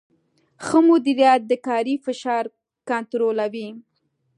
ښه مدیریت د کاري فشار کنټرولوي.